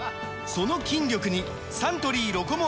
その筋力にサントリー「ロコモア」！